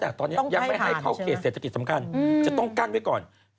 แต่ตอนนี้ยังไม่ให้เข้าเขตเศรษฐกิจสำคัญจะต้องกั้นไว้ก่อน